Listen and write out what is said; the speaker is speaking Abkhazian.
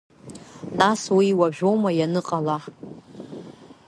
Нас, уи уажәоума ианыҟала?!